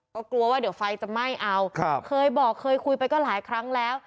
ก็กลัวว่าเดี๋ยวไฟจะไหม้เอาเคยบอกเคยคุยไปก็หลายครั้งแล้ว